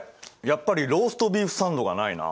やっぱりローストビーフサンドがないな。